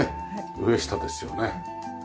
上下ですよね。